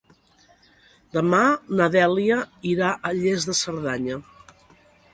Demà na Dèlia irà a Lles de Cerdanya.